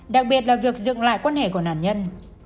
đặc biệt là việc dựng lại quan hệ của nạn nhân